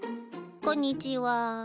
こんにちは。